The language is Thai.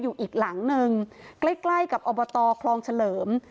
อยู่อีกหลังหนึ่งใกล้ใกล้กับอบตคลองเฉลิม